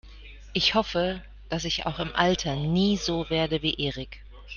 Ich hoffe, dass ich auch im Alter nie so werde wie Erik.